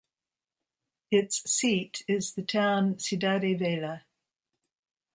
Its seat is the town Cidade Velha.